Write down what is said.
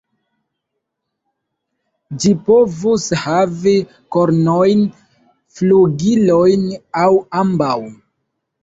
Ĝi povus havi kornojn, flugilojn, aŭ ambaŭ.